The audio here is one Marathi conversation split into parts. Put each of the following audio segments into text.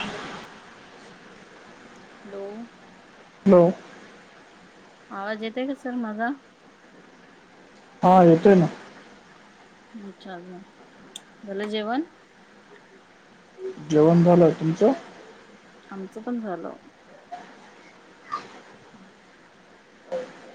हॅलो हॅलो म आवाज येतय का सर माझा हा येतोय ना अच्छा अच्छा झाले जेवण जेवण झालं आहे तुमचं आमचं पण झालं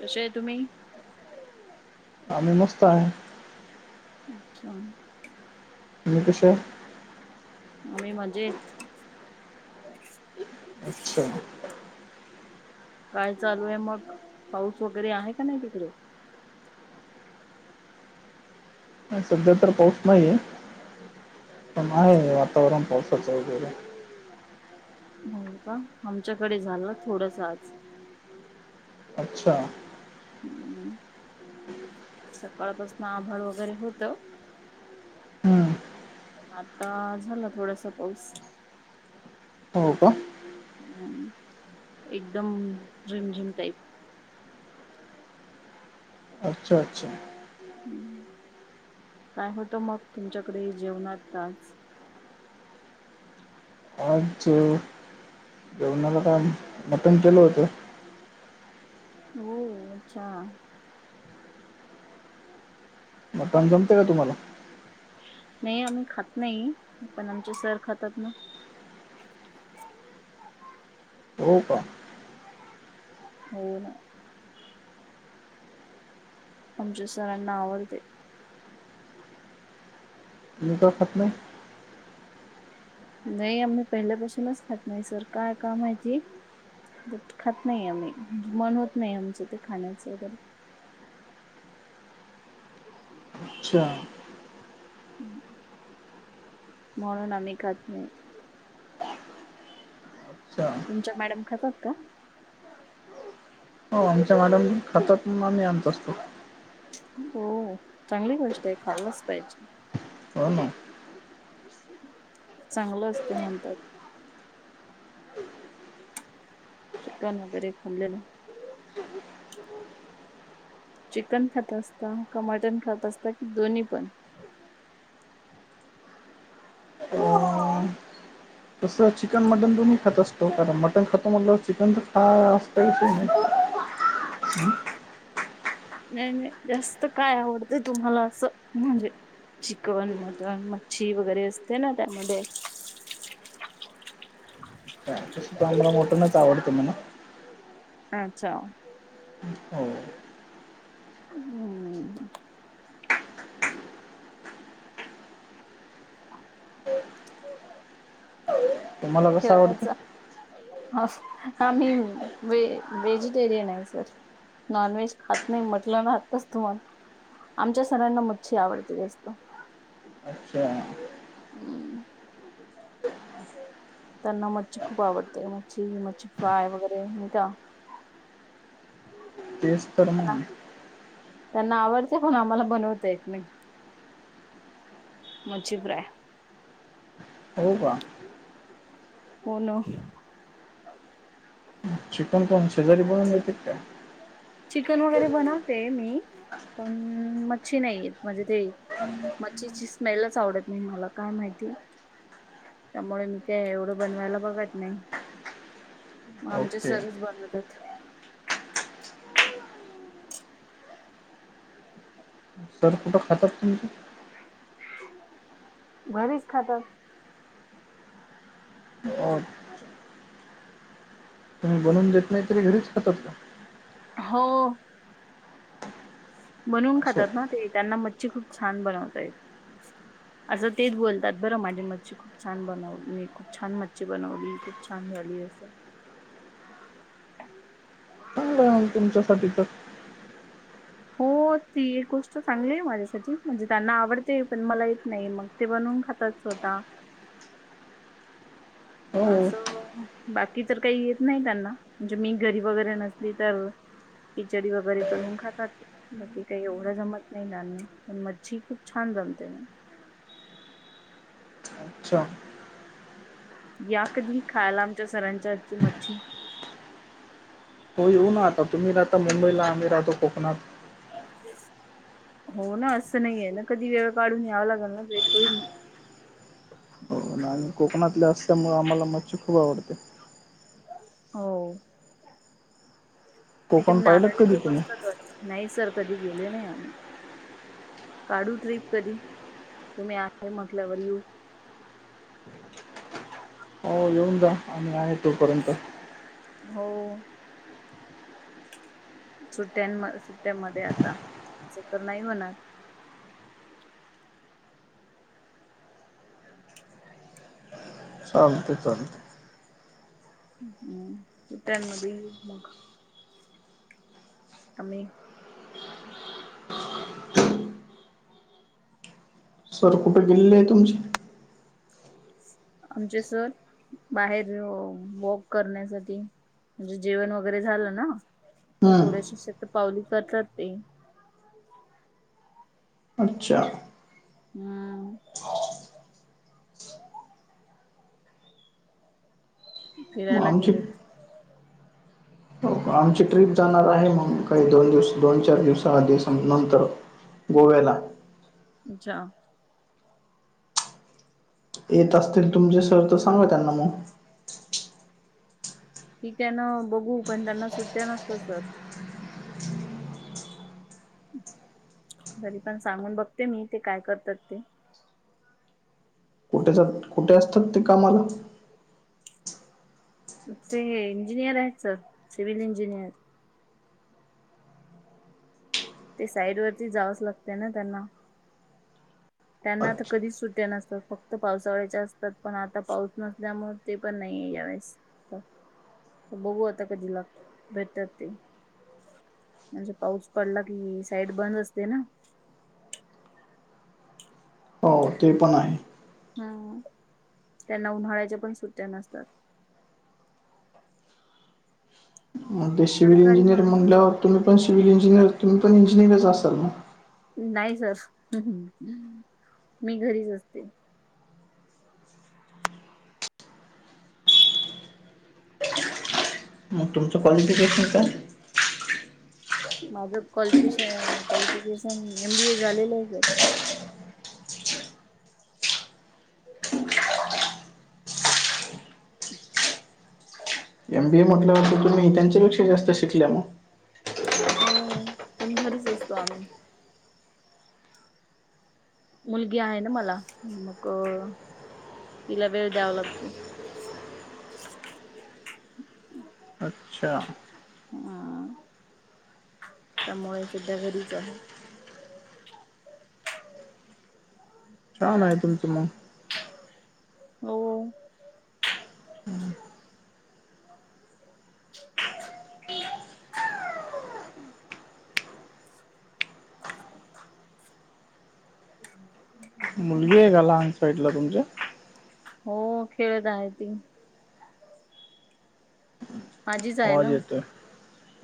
तसे तुम्ही आम्ही मस्त आहे अच्छा हेकसे आम्ही मजेत अच्छा काय चालू आहे मग पाऊस वगैरे आहे का नाही तिकडे सध्या तर पाऊस नाहीये पण आहे वातावरण पावसाचं वगैरे हो का आमच्याकडे झालं थोडस आज अच्छा हम् सकाळपासून आभाळ वगैरे होतं हम्म आता झाला थोडासा पाऊस हो का हम एकदम झिम झिम टाईप अच्छा अच्छा ह् काय होतं मग तुमच्याकडे जेवणात तास आज जेवणाला काय मटन केल होतं हो अच्छा म पान जमते का तुम्हाला नाही आम्ही खात नाही पण आमचे सर खातात ना हो का हो ना आमच्या सरांना आवरते नज खात नाही नाही आम्ही पहिल्यापासूनच खात नाही सर काय काम आहेती खात नाही आम्ही मन होत नाही आमचं ते खाण्याचं वगैरे अच्छा म्हणून आम्ही खात नाही अच्छा तुमच्या मॅडम खासात का हो आमच्या मॅडम खातात आम्ही आणत असतो हो चांगली गोष्ट आहे खाल्लाच पाहिजे हो ना चांगलं अस ते म्हणतात चिकन वगैरे खाल्लेल चिकन खात असता का मटण खात असता कि दोन्ही पण ह तसं चिकन मटन तुम्ही खात असतो कारण मटन खातो म्हटलंवर चिकन तर खाय अस त नाही नाही जास्त काय आवडतय तुम्हाला असं म्हणजे चिकन मटन मच्छी वगैरे असते ना त्यामध्ये [inaudible] चांगला मोठणच आवडत म अच्छा हो हम्म तुम्हाला कसं आवडतं खेळण्याचा हा मी व व्हेजिटेरियन आहे सर नॉन व्हेज खात नाही म्हटलं ना आताच तुम्हाला आमच्या सर्ांना मच्छी आवडते जासतो अच्छा हम त्यांना मच्छी खूप आवडते मच्छी मच्छी फ्राय वगैरे का तेचतोर्ण त्यांना आवडतेंय पण आम्हाला बनवताय एक नाही मची प्राय हो का होण चिकण कोण शेजारी बनवून घेतात का चिकन वगैरे बनवते मी पण मच्छी नाहीेत म्हणजे ते मच्छीची स्मेलच आवडत नाही मला काय माहिती त्यामुळे मी काय एवढं बनवायला बघत नाही मग आमचे ओके सरच बनवतात सर कुठं खातात तुमचे घरीच खातात हो तुम्ही बनून देत नाही तरी घरीच खातातत का हो बनवून असं खातात ना ते त्यांना मच्छी खूप छान बनवता येत असं तेच बोलतात बरं माझे मतिक खूप छान बनवली खूप छान मच्छी बनवली खूप छान झाली स चांगलं तुमच्यासाठी तर हो ती एक गोष्ट चांगलीय माझ्यासाठी म्हणजे त्यांना आवडते पण मला येत नाही मग ते बनून खात स्वत हो असं बाकी तर काही येत नाही त्यांना म्हणजे मी घरी वगैरे नसली तर खिचडी वगैरे करून खातात ते बाकी काही एवढं जमत नाही लना पण मज्जी खूप छान जमते मग अच्छा या कधी खायला आमच्या सरांच्याजची मच्छी हो येऊ ना आता तुम्ही राहता मुंबईला आम्ही राहतो कोकणात हो ना असं नाहीे ना कधी वेळ काढून यावा लागेल ना भेट होईल मग आणि कोकणातल्या असल्यामुळं आम्हाला मच्छ खूप आवडते हो तिकडे कोकण पाहिलं नारळी कधी खूप ब तुम्ही असतात वाते नाही सर कधी गेले नाही आम्ही काढू ट्रिप कधी तुम्ही आहे म्हटल्यावर यू हो येऊन जा आम्ही आहे तोपर्यंत हो सुट्ट्यां सुट्ट्यांमध्ये आता अस तर नाही होणार चालते चालते हम् त्यांमध्ये येऊ मग आ् सर कुठे गेलेले आहे तुमची आमचे सर बाहेर वॉक करण्यासाठी म्हणजे जेवण वगैरे झालं ना तर हम्म थोड्याशी शत पावली करतात ते अच्छा हम् मग फिरायला आमची गेलेत हो आमची ट्रीिप जाणार आहे मग काही दोन दिवस दोन चार दिवसा आधी नंतर गोव्याला अच्छा येत असतील तुमचे सर तर सांगा त्यांना मग ठीक आहे ना बघू पण त्यांना सुट्ट्या नसत सर घरी पण सांगून बघते मी ते काय करतात ते कुठे ज कुठे असतात ते कामाला ते इंजिनियर आहेत सर सिव्हल इंजिनियर ते साईड वरती जावंच लागते ना त्यांना त्यांना तरता अच्छा कधीच सुट्या नसतात फक्त पावसावळ्याच्या असतात पण आता पाऊस नसल्यामुळे ते पण नाही आहे यावेळेस बघू आता कधी लागत भेटर ते म्हणजे पाऊस पडला की साईड बंद असते ना हो ते पण आहे हम त्यांना उन्हाळ्याच्या पण सुट्ट्या नसतात म ते सि्हल सरकारी इंजिनिय मग म्हटल्यावर तुम्ही पण सि्हिल इंिनिर तुम्हीण इंजिनिर असाल ना नाही सर मी घरीच असते मग तुमचं क्वालिफिकेशन काय माझं क्वालिफ क्वालिफिकेशन एम बी ए झालेलं आहे [inaudible] एम बी ए म्हटल्यावरती तुम्ही त्यांच्यापेक्षा जास्त शिकल्या मग हो पण घरीच असतो आम्ही मुलगी आहे ना मला मग तिला वेळ द्यावा लागतो अच्छा हम त्यामुळे सध्या घरीच आहे छान आहे तुमचं मग हो [inaudible] ह् मुलगी आहे का लहान साईडला तुमच्या हो खेळत आहे ती माझीच आहे ना आवाज येतोय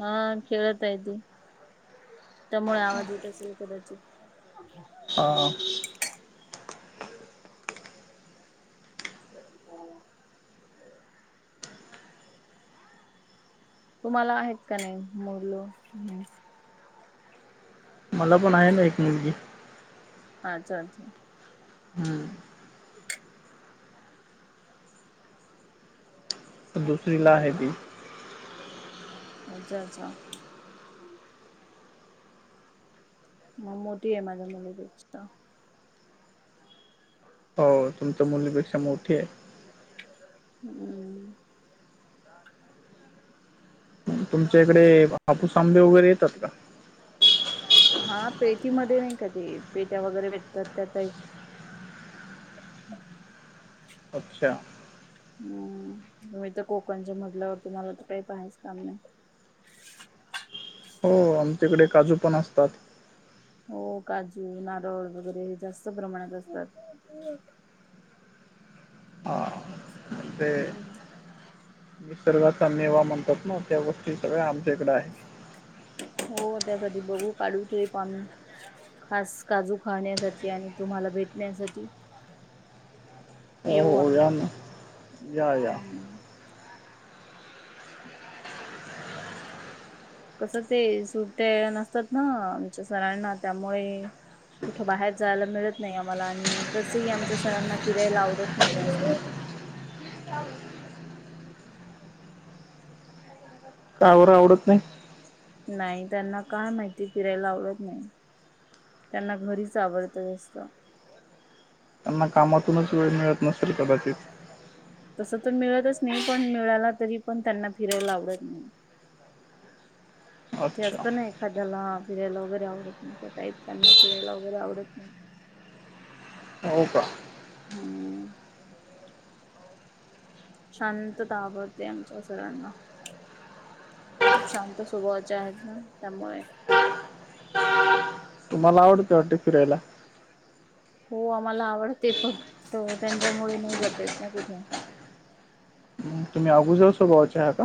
हा खेळत आहे ती त्यामुळे आवाज येत असेल कदाचित ह तुम्हाला आहेत का नाही मुल मला पण आहे ना एक निवजी अच्छा अच्छा. हां तर दुसरी ला हो. आहे ती. अच्छा अच्छा. मग मोठी आहे माझ्या मुलीपेक्षा. हो तुमच्या मुलीपेक्षा मोठी आहे. हम्म. तुमच्या इकडे हापूस आंबे वगैरे येतात का? हा पेटीमध्ये नाही का ते पेट्या वगैरेेे भेटत्यात का ताई. अच्छा. हम्म तुम्ही तर कोकणच्या मगल्यावरती तुम्हाला तर काही पाहायचा काम नाही. हो आमच्याकडे काजू पण असतात. हो काजू, नारळ वगैरे हे जास्त प्रमाणात असतात. हा. ते हम्म. निसर्गाचा मेवा म्हणतात ना त्या गोष्टी सगळ्या आमच्याकडे आहे. हो त्यासाठी बघू काढू ते पाणी. खास काजू खाण्यासाठी आणि तुम्हाला भेटण्यासाठी. हो येऊ हो आम्ही. या ना या या. हम्म. कसं ते सुट्या नसतात ना आमच्या सरांना त्यामुळे कुठं बाहेर जायला मिळत नाही आम्हाला आणि तसही आमच्या सरांना फिरायला आवडत नाय जास्त. कावर आवडत नाही. नाही त्यांना काय माहिती फिरायला आवडत नाही. त्यांना घरीच आवडत जास्त. त्यांना कामातूनच वेळ मिळत नसेल कदाचित. तसं तर मिळतच नाही पण मिळाला तरी पण त्यांना फिरायला आवडत नाही. ते अच्छा असतं नाय. कदाला फिरायला वगैरे आवडत नाही त्या टाईप त्यांना फिरायला वगैरे आवडत नाही. हो का. हम्म. शांतता आवडते आमच्या सरांना. खूप शांत स्वभावाचे आहेत ना त्यामुळे. तुम्हाला आवडतो वाटते फिरायला. हो आम्हाला आवडते फक्त त्यांच्यामुळे नाही जात येत ना कुठे. मग तुम्ही अगोजर स्वभावाचे आहे का?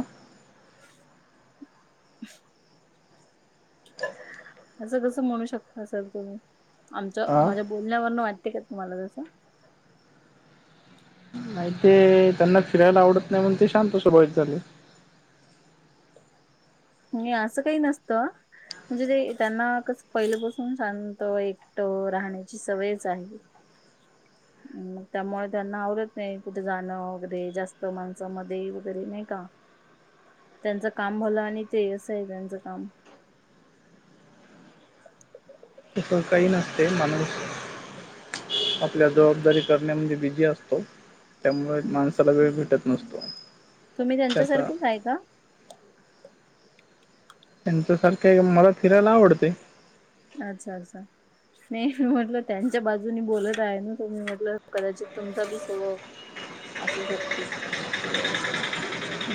ह असं कसं म्हणू शकता सर तुम्ही. आमचं हा माझ्या बोलण्यावरनं वाटते का तुम्हाला जसं? नाही ते त्यांना फिरायला आवडत नाही म्हणून ते शांत स्वभावित झाले. मी असं काही नसतं. म्हणजे ते त्यांना पहिलेपासून शांत एकट राहण्याची सवयच आहे. [inaudible] मग त्यामुळे त्यांना आवडत नाही कुठे जाणं वगैरे जास्त माणसामध्ये वगैरे नाही का त्यांचं काम भलं आणि ते असं आहे त्यांच काम. तसं काही नसते माणूस आपल्या जबाबदारी करण्या म्हणजे बिझी असतो. त्यामुळे माणसाला वेळ भेटत नसतो. तुम्ही त्याचा त्यांच्यासारखेच आहे का? त्यांच्यासारखं मला फिरायला आवडते. अच्छा अच्छा. नाही मी म्हटलं त्यांच्या बाजूनी बोलत आहे ना तु् म्हटलं कदाचित तुमचा बी स्वभाव असशी सक्की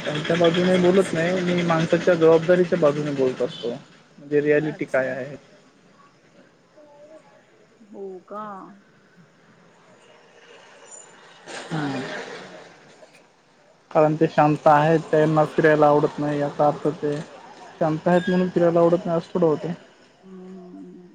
त्यांच्या बाजूने बोलत नाही मी माणसाच्या जबाबदारीच्या बाजूने बोलत असतो म्हणजे रियालिटी काय अच्छा आहे हो का चांगलं आहे कारण ते शांत आहे त्याईर फिरायला आवडत नाही याचा अर्थ ते शांत आहेत म्हणून फिरायला आवडत नाही असथोड होते हम हम